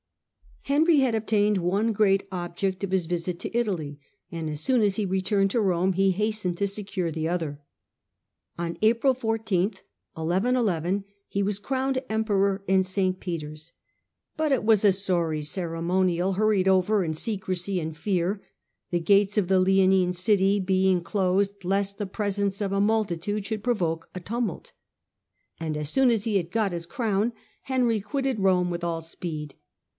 Henry had obtained one great object of his visit to Italy, and as soon as he returned to Rome he Coronation hastened to secure the other. On April 14 o^^^enry .^^^^^ crownod emperor in St. Peter s, but it was a sorry ceremonial, hurried over in secrecy and fear, the gates of the Leonine city being closed lest the presence of a multitude should provoke a tumult. And as soon as he had got his crown Henry quitted Rome with all speed.